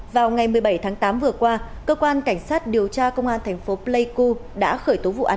vào ngày một mươi bảy tháng tám vừa qua cơ quan cảnh sát điều tra công an thành phố pleiku đã khởi tố vụ án